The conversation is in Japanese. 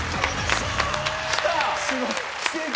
すごい。